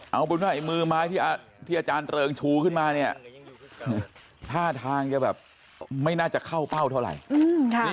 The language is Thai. เอาบริมิตัวให้มือมาที่อาทที่อาจารย์เติร์งชูขึ้นมาเนี้ยท่าทางจะแบบไม่น่าจะเข้าเป้าเท่าไหร่อืมค่ะ